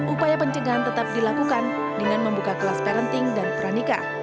upaya pencegahan tetap dilakukan dengan membuka kelas parenting dan pernikah